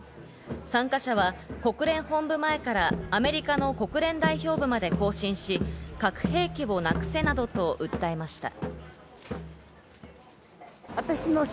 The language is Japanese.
参加者は国連本部前からアメリカの国連代表部まで行進し、核兵器をなくせなどと訴えました。